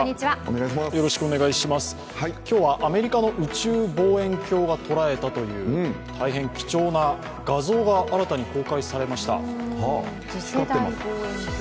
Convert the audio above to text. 今日はアメリカの宇宙望遠鏡が捉えたという大変貴重な画像が新たに公開されました。